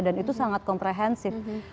dan itu sangat komprehensif